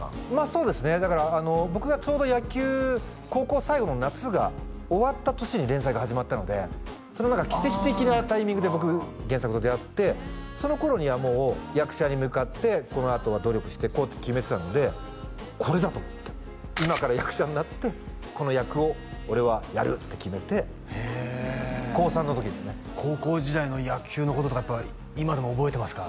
そうですねだから僕がちょうど野球高校最後の夏が終わった年に連載が始まったので何か奇跡的なタイミングで僕原作と出会ってその頃にはもう役者に向かってこのあとは努力していこうって決めてたのでこれだ！と思って今から役者になってこの役を俺はやるって決めてへえ高３の時ですね高校時代の野球のこととかやっぱ今でも覚えてますか？